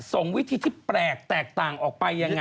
ส่งวิธีที่แปลกแตกต่างออกไปยังไง